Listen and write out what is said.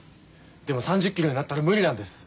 でも３０キロになったら無理なんです。